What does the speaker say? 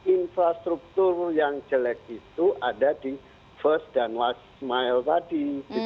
infrastruktur yang jelek itu ada di first dan last mile tadi